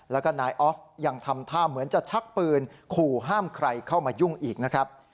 แล้วก็นายออฟยังทำท่าเหมือนจะชักปืนขู่ห้ามใครเข้ามายุ่งอีกนะครับ